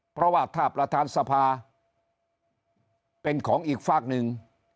เพราะว่าถ้าประธานสภาเป็นของอีกฝากหนึ่ง